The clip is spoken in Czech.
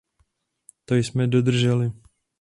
To jsme dodrželi.